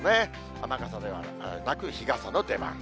雨傘ではなく、日傘の出番。